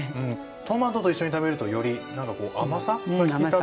トマトと一緒に食べるとより何かこう甘さが引き立って。